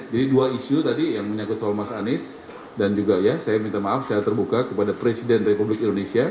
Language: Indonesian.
jadi dua isu tadi yang menyangkut soal mas anies dan juga ya saya minta maaf saya terbuka kepada presiden republik indonesia